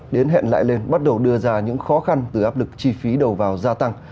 đến hẹn lại lên bắt đầu đưa ra những khó khăn từ áp lực chi phí đầu vào gia tăng